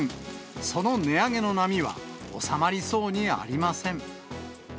その値上げの波は、収まりそうにありません。